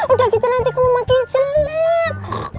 udah gitu nanti kamu makin jelek